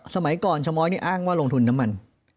สมัยก่อนชะม้อยนี่อ้างว่าลงทุนน้ำมัน